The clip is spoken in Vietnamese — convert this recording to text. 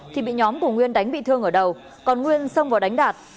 thì bị nhóm của nguyên đánh bị thương ở đầu còn nguyên xông vào đánh đạt